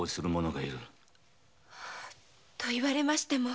と言われましても。